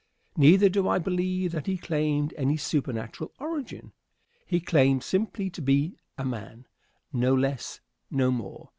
Neither do I believe that he claimed any supernatural origin. He claimed simply to be a man; no less, no more.